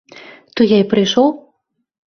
То я і прыйшоў.